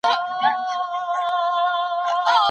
د اسلامي لارښوونو عملي کول مو بريالي کوي.